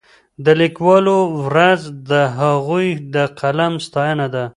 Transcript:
د لیکوالو ورځ د هغوی د قلم ستاینه ده.